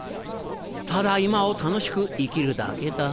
ただ今を楽しく生きるだけだ。